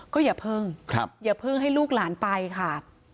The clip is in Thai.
ก็อย่าเพิ่งอย่าเพิ่งให้ลูกหลานไปค่ะ